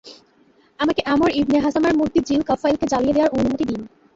আমাকে আমর ইবনে হাসামার মূর্তি যিল কাফাইলকে জ্বালিয়ে দেয়ার অনুমতি দিন।